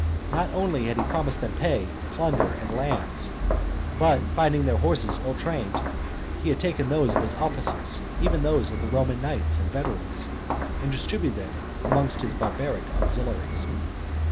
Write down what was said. Not only had he promised them pay, plunder, and lands, but, finding their horses ill trained, he had taken those of his officers, even those of the Roman knights and veterans, and distributed them amongst his barbaric auxiliaries.